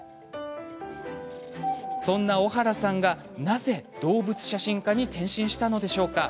そんな小原さんがなぜ動物写真家に転身したのでしょうか。